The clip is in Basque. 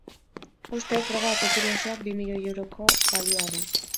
Ustez, droga kopuru osoak bi milioi euroko balioa du.